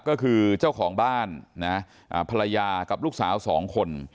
ก็คือเจ้าของบ้านนะภรรยากับลูกสาว๒คน